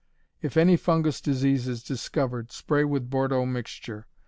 If any fungous disease is discovered, spray with Bordeaux mixture.